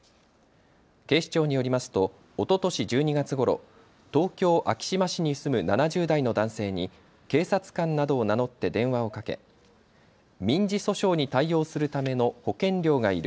警視庁によりますとおととし１２月ごろ東京昭島市に住む７０代の男性に警察官などを名乗って電話をかけ、民事訴訟に対応するための保険料がいる。